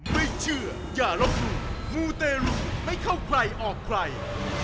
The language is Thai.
ไม่เชื่ออย่าลบหลู่มูเตรุไม่เข้าใครออกใคร